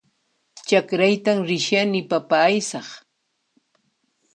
Chakraytan rishani papa aysaq